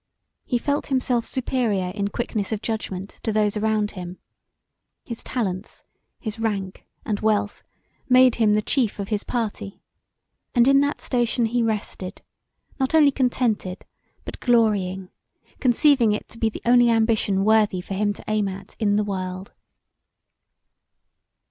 He felt himself superior in quickness of judgement to those around him: his talents, his rank and wealth made him the chief of his party, and in that station he rested not only contented but glorying, conceiving it to be the only ambition worthy for him to aim at in the world.